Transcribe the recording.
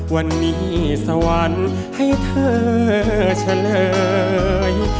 วันนี้สวรรค์ให้เธอเฉลย